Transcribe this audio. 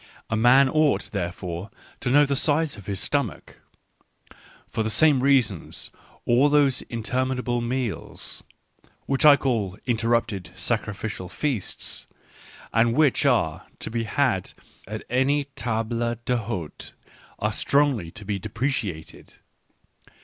A man ought, therefore, to know the size of his stomach. For the same reasons all those interminable meals, which I call interrupted sacrificial feasts, and which are to 6e had at any table d'h6te, are strongly to be deprecated.